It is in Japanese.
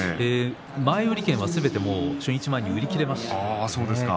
前売券は初日前に売り切れました。